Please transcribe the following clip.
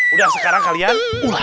udah sekarang kalian